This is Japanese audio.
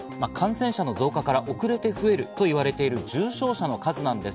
感染者の増加から遅れて増えるといわれている重症者の数です。